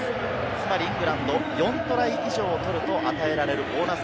つまりイングランド、４トライ以上を取ると、与えられるボーナス